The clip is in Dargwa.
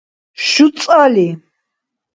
шуцӀали